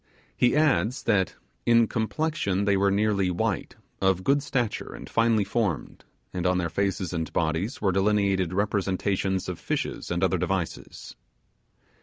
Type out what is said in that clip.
He adds, that 'in complexion they were nearly white; of good stature, and finely formed; and on their faces and bodies were delineated representations of fishes and other devices'.